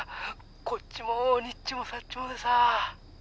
☎こっちもにっちもさっちもでさ